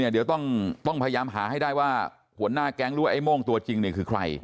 เดี๋ยวต้องพยายามหาให้ได้ว่าหัวหน้าแก๊งหรือว่าไอ้โม่งตัวจริงคือใคร